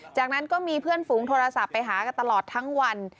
จากนั้นก็มีเพื่อนฝูงโทรศัพท์ไปหากันตลอดทั้งวัน